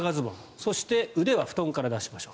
そして、腕は布団から出しましょう。